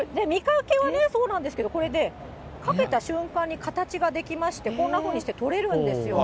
これ、見かけはそうなんですけど、こうやって、かけた瞬間に形が出来まして、こういうふうに取れるんですよ。